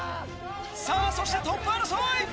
さぁそしてトップ争い！